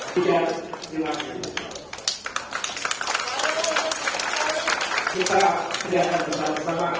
kita hanyakan persatuan yang sama